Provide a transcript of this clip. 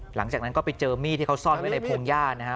หลังจากนั้นก็ไปเจอมีดที่เขาซ่อนไว้ในพงหญ้านะฮะ